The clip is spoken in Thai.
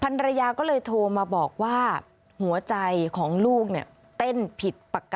พาพนักงานสอบสวนสนราชบุรณะพาพนักงานสอบสวนสนราชบุรณะ